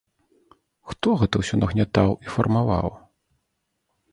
Хто гэта ўсё нагнятаў і фармаваў?